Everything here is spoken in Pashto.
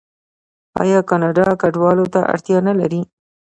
آیا کاناډا کډوالو ته اړتیا نلري؟